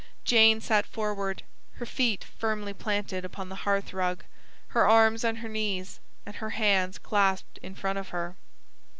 Jane sat forward, her feet firmly planted on the hearth rug, her arms on her knees, and her hands clasped in front of her.